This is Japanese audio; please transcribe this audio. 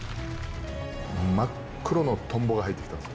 真っ黒のトンボが入ってきたんですよ。